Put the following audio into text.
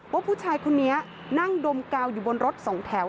ว่าผู้ชายคนนี้นั่งดมกาวอยู่บนรถสองแถว